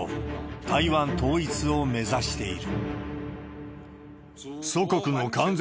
台湾統一を目指している。